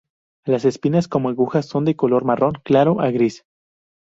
Las espinas, como agujas, son de color marrón claro a gris.